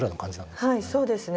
はいそうですね。